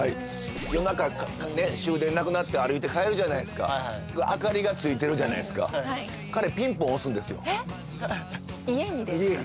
夜中ね終電なくなって歩いて帰るじゃないですか明かりがついてるじゃないですか家にですか？